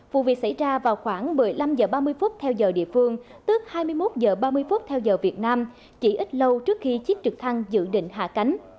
vụ việc xảy ra vào khoảng một mươi năm h ba mươi theo giờ địa phương tức hai mươi một h ba mươi theo giờ việt nam chỉ ít lâu trước khi chiếc trực thăng dự định hạ cánh